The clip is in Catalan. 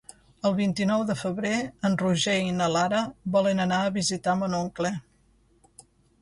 El vint-i-nou de febrer en Roger i na Lara volen anar a visitar mon oncle.